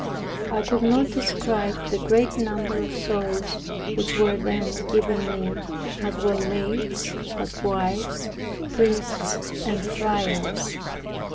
I could not describe the great number of souls which were then given me, as well maids, as wives, priests and friars.